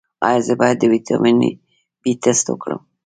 ایا زه باید د ویټامین بي ټسټ وکړم؟